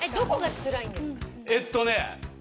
えっとね